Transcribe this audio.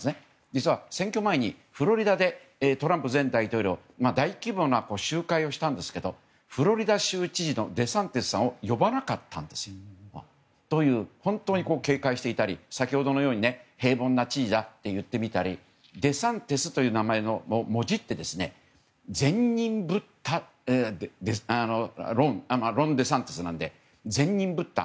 実は選挙前にフロリダでトランプ前大統領は大規模な集会をしたんですけどフロリダ州知事のデサンティスさんを呼ばなかったんですよ。という本当に警戒していたり先ほどのように平凡な知事だと言ってみたりデサンティスという名前をもじってロン・デサンティスなので善人ぶった